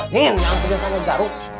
nin yang biasanya jarum